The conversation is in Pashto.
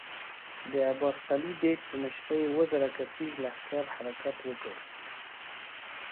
د عباس قلي بېګ په مشری اووه زره کسيز لښکر حرکت وکړ.